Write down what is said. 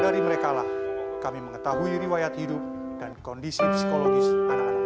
dari merekalah kami mengetahui riwayat hidup dan kondisi psikologis anak anak